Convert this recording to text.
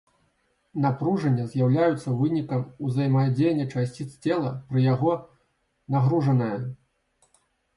Напружання з'яўляюцца вынікам ўзаемадзеяння часціц цела пры яго нагружаная.